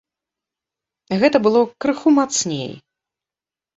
Гэта было крыху мацней.